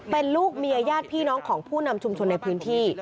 เป็นลูกเมียญาติพี่น้องของผู้นำชุมชนในพื้นที่